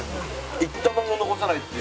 １玉も残さないっていう。